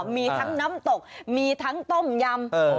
มีทั้งน้ำตกมีทั้งต้มยำ